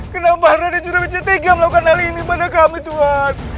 kenapa raden sudah bercerita melakukan hal ini pada kami tuhan